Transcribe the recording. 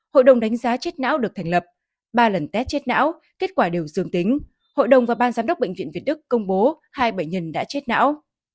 hội đồng đánh giá chết não được thành lập ba lần test chết não kết quả đều dương tính hội đồng và ban giám đốc bệnh viện việt đức công bố hai bệnh nhân đã chết não